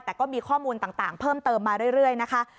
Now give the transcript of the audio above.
แต่ก็มีข้อมูลต่างเพิ่มเติมมาเรื่อยนะคะ